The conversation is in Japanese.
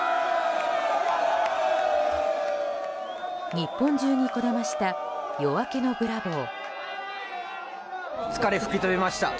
日本中にこだました夜明けのブラボー。